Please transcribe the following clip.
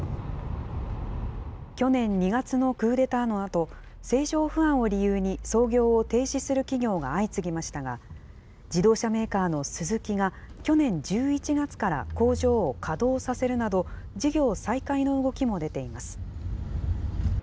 去年２月のクーデターのあと、政情不安を理由に操業を停止する企業が相次ぎましたが、自動車メーカーのスズキが去年１１月から工場を稼働させるなど、事業再開の動きも出ています。